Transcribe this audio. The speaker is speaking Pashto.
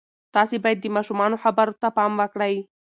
تاسې باید د ماشومانو خبرو ته پام وکړئ.